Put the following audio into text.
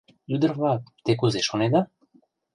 Ӱдыр-влак, те кузе шонеда?